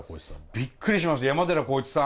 びっくりしました山寺宏一さん